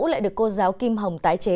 lại được cô giáo kim hồng tái chế